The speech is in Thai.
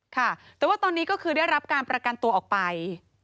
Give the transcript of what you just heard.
ค่ะแต่ว่าตอนนี้ก็คือได้รับการประกันตัวออกไป